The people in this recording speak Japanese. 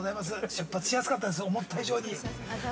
出発しやすかったです、思った以上に。